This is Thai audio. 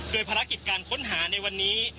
โดยภารกิจการค้นหาในวันนี้